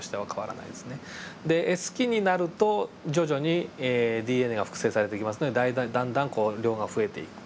でＳ期になると徐々にＤＮＡが複製されてきますのでだんだんこう量が増えていく。